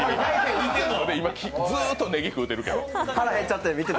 今、ずっとねぎ食うとるけど。